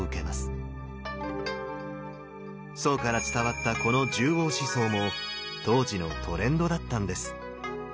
宋から伝わったこの十王思想も当時のトレンドだったんです。